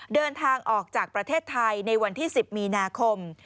เดินทางออกจากประเทศไทยในวันที่๑๐มีนาคม